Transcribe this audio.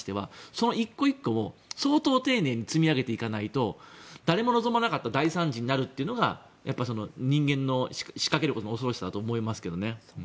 その１個１個を相当丁寧に積み上げていかないと誰も望まなかった大惨事になるというのが人間の仕掛けることの恐ろしさだと思いますけどね。